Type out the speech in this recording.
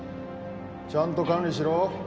ちゃんと管理しろ。